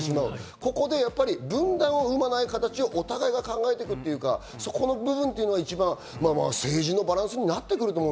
ここで分断を生まない形をお互いが考えていくというか、そこの部分が政治のバランスになってくると思う。